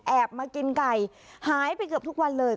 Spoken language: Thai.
มากินไก่หายไปเกือบทุกวันเลย